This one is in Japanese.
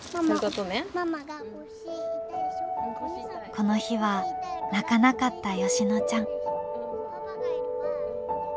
この日は泣かなかった美乃ちゃん。